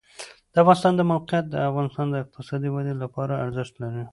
د افغانستان د موقعیت د افغانستان د اقتصادي ودې لپاره ارزښت لري.